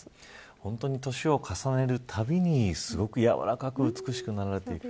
本当に年を重ねるたびにすごくやわらかく美しくなられていく。